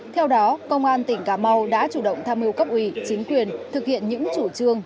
theo đó công an tỉnh cà mau đã chủ động tham mưu cấp ủy chính quyền thực hiện những chủ trương